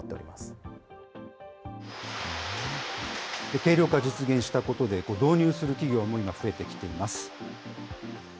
軽量化を実現したことで、導入する企業も今、増えてきています。